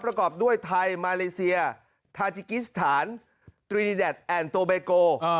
ประกอบด้วยไทยมาเลเซียทาจิกิสถานตรีดิแดดแอนดโตเบโก